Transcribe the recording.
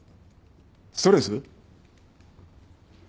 ストレス？